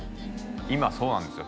今そうなんですよ